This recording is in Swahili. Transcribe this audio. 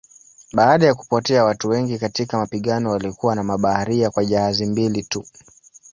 Baada ya kupotea watu wengi katika mapigano walikuwa na mabaharia kwa jahazi mbili tu.